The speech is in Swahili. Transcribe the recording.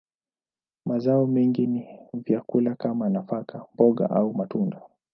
Mazao mengi ni vyakula kama nafaka, mboga, au matunda.